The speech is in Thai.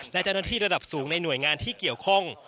และเจ้าหน้าที่ระดับสูงในหน่วยงานที่เกี่ยวข้อง